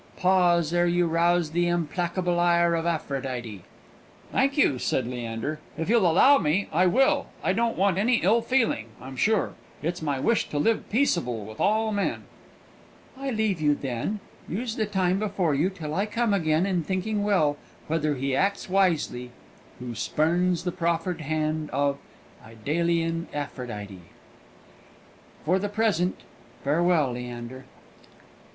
Pause, ere you rouse the implacable ire of Aphrodite!" "Thank you," said Leander; "if you'll allow me, I will. I don't want any ill feeling, I'm sure. It's my wish to live peaceable with all men." "I leave you, then. Use the time before you till I come again in thinking well whether he acts wisely who spurns the proffered hand of Idalian Aphrodite. For the present, farewell, Leander!"